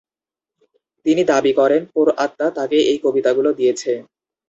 তিনি দাবি করেন পোর আত্মা তাকে এই কবিতাগুলো দিয়েছে।